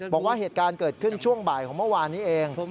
บอกว่าเหตุการณ์เกิดขึ้นช่วงบ่ายของเมื่อวานนี้เอง